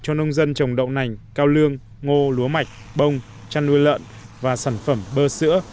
cho nông dân trồng đậu nành cao lương ngô lúa mạch bông chăn nuôi lợn và sản phẩm bơ sữa